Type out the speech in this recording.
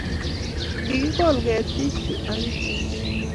Kikigol ketig chu ak ichek